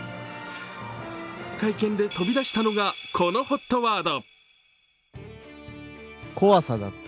会見で飛び出したのがこのＨＯＴワード。